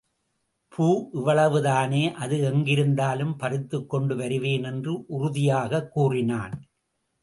பூ இவ்வளவுதானே அது எங்கிருந்தாலும் பறித்துக் கொண்டு வருவேன் என்று உறுதியாகக் கூறினான்.